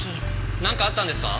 なんかあったんですか？